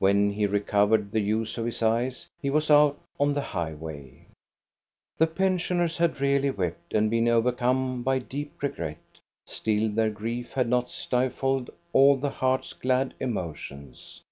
When he recovered the use of his eyes he was out on the highway. 324 THE STORY OF GOSTA BERLING The pensioners had really wept and been over come by deep regret ; still their grief had not stifled all the heart's glad emotions.